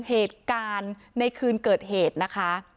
เหตุการณ์ในคืนเกิดเหตุนะคะ